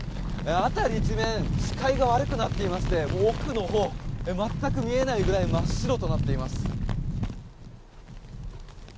辺り一面視界が悪くなっていまして奥のほう、全く見えないぐらい真っ白となっています。